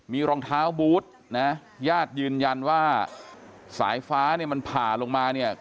มีรองเท้าบูธนะญาติยืนยันว่าสายฟ้าเนี่ยมันผ่าลงมาเนี่ย